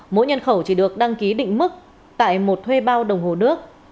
mỗi nhân khẩu chỉ được đăng ký định mức tại một thuê bao đồng hồ nước